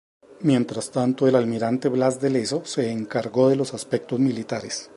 Mientras tanto, el almirante Blas de Lezo se encargó de los aspectos militares.